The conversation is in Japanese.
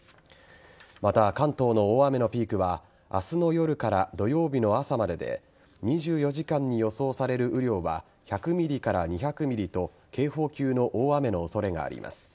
また、関東の大雨のピークは明日の夜から土曜日の朝までで２４時間に予想される雨量は１００ｍｍ２００ｍｍと警報級の大雨の恐れがあります。